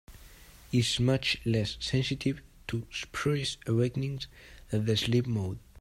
Is much less sensitive to spurious awakenings than the sleep mode.